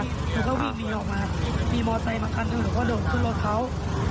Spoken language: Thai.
หนูก็วิ่งวีดีออกมามีมอไตมากันหนูก็เดินขึ้นรถเขา